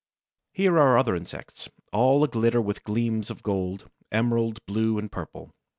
Here are other insects, all aglitter with gleams of gold, emerald, blue, and purple.